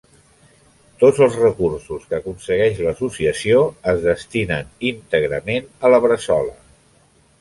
Tots els recursos que aconsegueix l'Associació es destinen íntegrament a la Bressola.